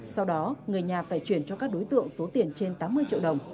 sau đó người nhà phải chuyển cho các đối tượng số tiền trên tám mươi triệu đồng